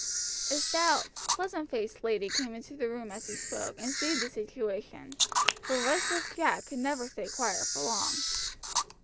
A stout, pleasant faced lady came into the room as he spoke, and saved the situation, for restless Jack could never stay quiet for long.